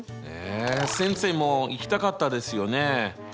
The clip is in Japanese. え先生も行きたかったですよね？